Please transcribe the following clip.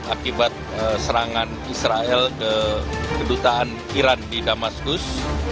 akibat serangan israel ke kedutaan iran di damaskus